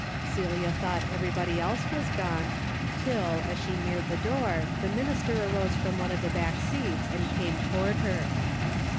Celia thought everybody else was gone, till, as she neared the door, the minister arose from one of the back seats and came toward her.